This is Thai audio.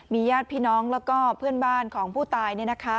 ญาติพี่น้องแล้วก็เพื่อนบ้านของผู้ตาย